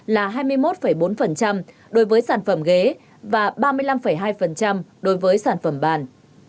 là hai mươi một bốn đối với sản phẩm ghế và ba mươi năm hai đối với sản phẩm bàn